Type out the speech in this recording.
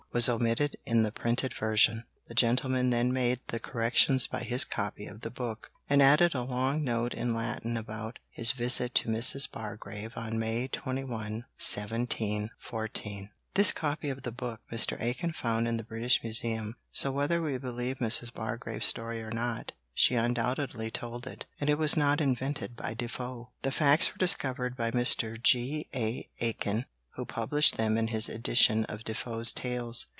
was omitted in the printed version. The gentleman then made the corrections by his copy of the book, and added a long note in Latin about his visit to Mrs. Bargrave on May 21, 1714. This copy of the book Mr. Aitken found in the British Museum; so, whether we believe Mrs. Bargrave's story or not, she undoubtedly told it, and it was not invented by Defoe. The facts were discovered by Mr. G. A. Aitken, who published them in his edition of Defoe's tales.